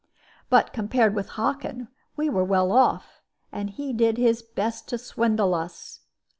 But, compared with Hockin, we were well off; and he did his best to swindle us.